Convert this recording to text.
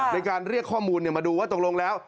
ในการเรียกข้อมูลมาดูว่าตกลงแล้ว